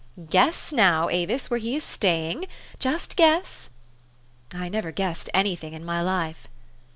" Guess now, Avis, where he is staying. Just guess." " I never guessed any thing in my life."